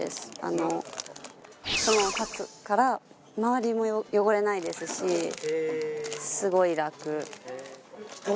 このまま立つから周りも汚れないですしすごい楽。